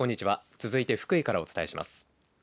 続いて福井からお伝えします。